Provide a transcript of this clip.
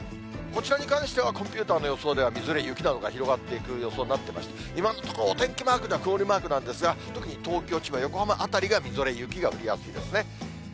こちらに関しては、コンピューターの予想ではみぞれ、雪などが広がっていく予想になっていまして、今のところ、お天気マークでは曇りマークなんですが、特に東京、千葉、横浜辺りがみぞれ、雪が降りやすいですね。